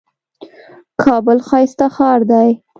کابل ښايسته ښار دئ.